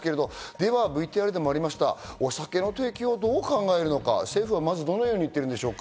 ではＶＴＲでもありました、お酒の提供をどう考えるのか、政府はどう言ってるんでしょうか？